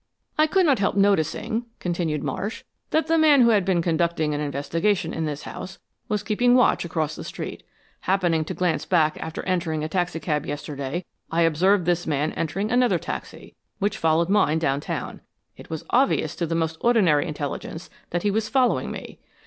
"I could not help noticing," continued Marsh, "that the man who had been conducting an investigation in this house was keeping watch across the street. Happening to glance back after entering a taxicab yesterday, I observed this man entering another taxi, which followed mine downtown. It was obvious to the most ordinary intelligence that he was following me.